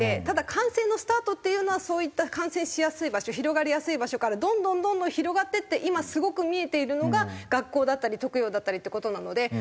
ただ感染のスタートっていうのはそういった感染しやすい場所広がりやすい場所からどんどんどんどん広がっていって今すごく見えているのが学校だったり特養だったりっていう事なので。